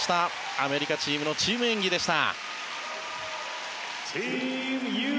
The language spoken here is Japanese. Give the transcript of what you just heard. アメリカチームのチーム演技でした。